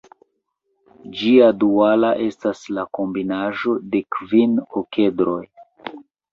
Ĝia duala estas la kombinaĵo de kvin okedroj.